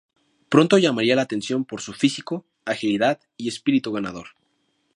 Pronto llamaría la atención por su físico, agilidad y espíritu ganador.